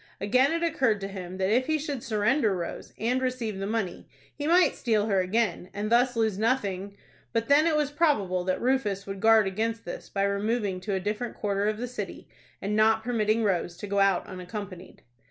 Again, it occurred to him that if he should surrender Rose, and receive the money, he might steal her again, and thus lose nothing But then it was probable that Rufus would guard against this by removing to a different quarter of the city, and not permitting Rose to go out unaccompanied.